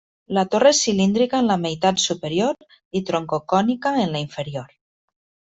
La torre és cilíndrica en la meitat superior i tronco-cònica en la inferior.